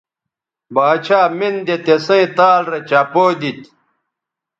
باڇھا مِن دے تِسیئں تال رے چپو دیتھ